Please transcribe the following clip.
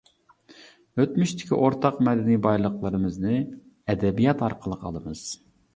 ئۆتمۈشتىكى ئورتاق مەدەنىي بايلىقلىرىمىزنى ئەدەبىيات ئارقىلىق ئالىمىز.